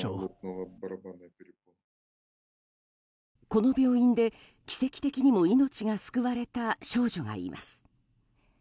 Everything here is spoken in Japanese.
この病院で奇跡的にも命が救われた少女がいます。